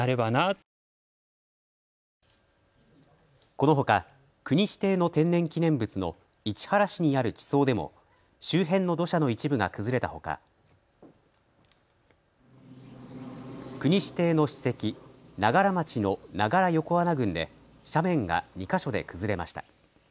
このほか、国指定の天然記念物の市原市にある地層でも周辺の土砂の一部が崩れたほか、国指定の史跡、長柄町の長柄横穴群で斜面が２か所で崩れました。